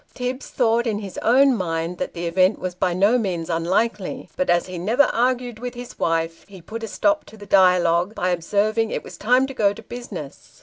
Tibbs thought in his own mind that the event was by no means unlikely, but, as he never argued with his wife, he put a stop to the dialogue, by observing it was " time to go to business."